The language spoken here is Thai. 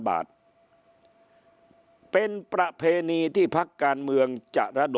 บาทเป็นประเพณีที่พักการเมืองจะระดับ